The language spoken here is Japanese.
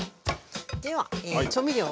では調味料を。